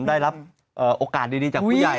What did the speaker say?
ได้รับโอกาสดีจากผู้ใหญ่